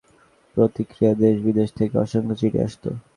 প্রতিটি লেখার ভালো মন্দ প্রতিক্রিয়ায় দেশ বিদেশ থেকে অসংখ্য চিঠি আসত।